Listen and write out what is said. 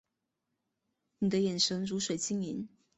你的眼神如水晶莹